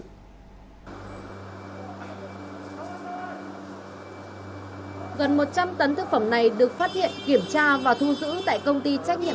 gần một trăm linh tấn thực phẩm này được phát hiện kiểm tra và thu giữ tại công ty trách nhiệm